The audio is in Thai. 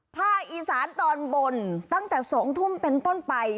ภาคอีสานตอนบนตั้งแต่๒ทุ่มเป็นต้นไป